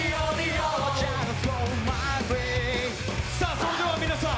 それでは皆さん